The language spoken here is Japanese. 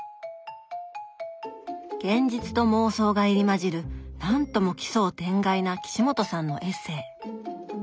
現実と妄想が入り交じるなんとも奇想天外な岸本さんのエッセー。